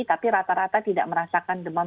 tapi rata rata tidak merasakan demam